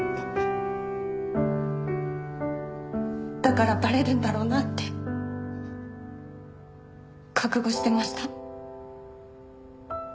だからバレるんだろうなって覚悟してました。